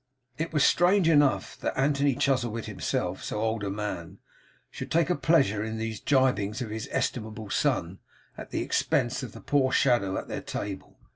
It was strange enough that Anthony Chuzzlewit, himself so old a man, should take a pleasure in these gibings of his estimable son at the expense of the poor shadow at their table.